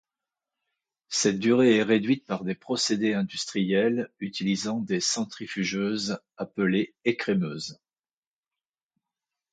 Cette durée est réduite par des procédés industriels utilisant des centrifugeuses appelées écrémeuses.